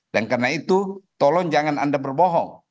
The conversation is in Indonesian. dan karena itu tolong jangan anda berbohong